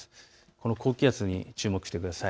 この高気圧に注目してください。